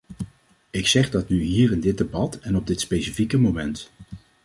Ik zeg dat nu hier in dit debat en op dit specifieke moment.